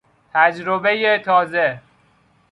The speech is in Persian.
تجربهی تازه